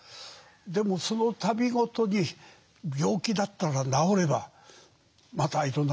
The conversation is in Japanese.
でもそのたびごとに病気だったら治ればまたいろんなことができると。